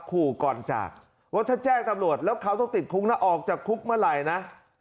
ขู่ก่อนจากว่าถ้าแจ้งตำรวจแล้วเขาต้องติดคุกนะออกจากคุกเมื่อไหร่นะ